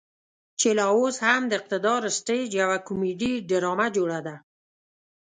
چې لا اوس هم د اقتدار سټيج يوه کميډي ډرامه جوړه ده.